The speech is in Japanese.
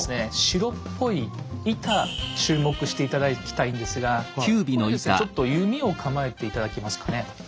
白っぽい板注目して頂きたいんですがこれですねちょっと弓を構えて頂けますかね。